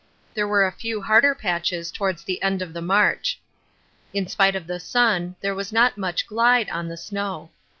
There were a few harder patches towards the end of the march. In spite of the sun there was not much 'glide' on the snow.